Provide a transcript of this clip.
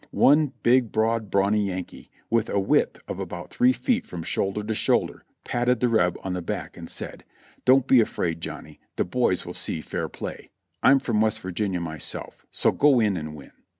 One big, broad, brawny Yankee, with a width of about three feet from shoulder to shoulder, patted the Reb on the back and said : "Don't be afraid, Johnny, the boys will see fair play. I'm from AA'est Virginia myself, so go in and win."